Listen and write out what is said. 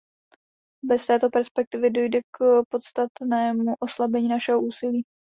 Bez této perspektivy dojde k podstatnému oslabení našeho úsilí.